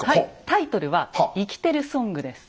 タイトルは「イキテルソング」です。